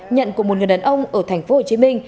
nhận của một người đàn ông ở tp hcm